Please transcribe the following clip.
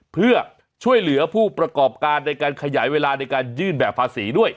เพื่อช่วยเหลือผู้ประกอบการในการขยายเวลาในการยื่นแบบภาษีด้วย